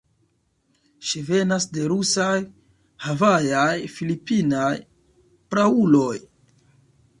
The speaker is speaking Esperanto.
Ŝi venas de rusaj, havajaj, filipinaj prauloj.